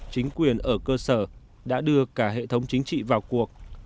chính quyền ở cơ sở đã đưa cả hệ thống chính trị vào cuộc